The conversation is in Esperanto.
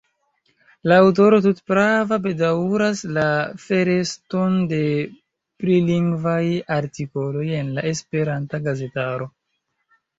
La aŭtoro tute prave bedaŭras la foreston de prilingvaj artikoloj en la esperanta gazetaro.